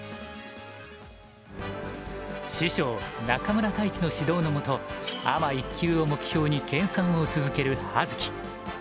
師匠中村太地の指導の下アマ１級を目標に研さんを続ける葉月。